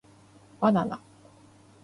ばなな